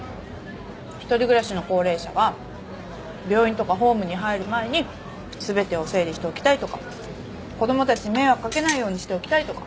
一人暮らしの高齢者は病院とかホームに入る前に全てを整理しておきたいとか子供たちに迷惑かけないようにしておきたいとか。